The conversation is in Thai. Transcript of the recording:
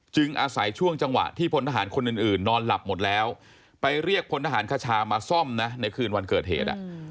อาศัยช่วงจังหวะที่พลทหารคนอื่นนอนหลับหมดแล้วไปเรียกพลทหารคชามาซ่อมนะในคืนวันเกิดเหตุ